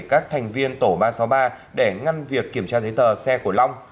các thành viên tổ ba trăm sáu mươi ba để ngăn việc kiểm tra giấy tờ xe của long